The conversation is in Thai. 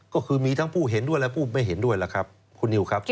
ก็คือมีทั้งผู้เห็นด้วยและผู้ไม่เห็นด้วยล่ะครับคุณนิวครับ